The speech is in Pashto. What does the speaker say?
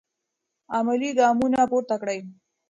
عملي ګامونه پورته کړئ.